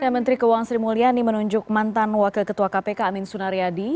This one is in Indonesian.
menteri keuangan sri mulyani menunjuk mantan wakil ketua kpk amin sunaryadi